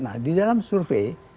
nah di dalam survei